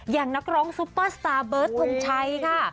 นักร้องซุปเปอร์สตาร์เบิร์ตทงชัยค่ะ